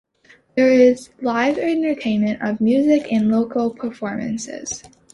There is live entertainment of music and local performances.